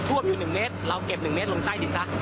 ทวบอยู่หนึ่งเมตรเราเก็บหนึ่งเมตรลงใต้ดิดซะ